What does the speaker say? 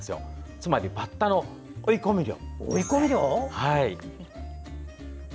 つまり、バッタの追い込み漁。